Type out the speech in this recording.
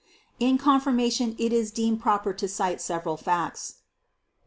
In confirmation it is deemed proper to cite several facts: 1.